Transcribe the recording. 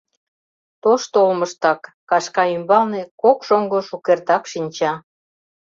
Тошто олмыштак, кашка ӱмбалне, кок шоҥго шукертак шинча.